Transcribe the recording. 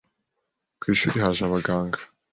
ku ishuri haje abaganga